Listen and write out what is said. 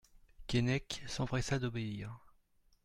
Keinec s'empressa d'obéir.